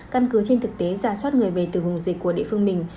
căn cứ trên thực tế giả soát người về từ vùng dịch của địa phương mình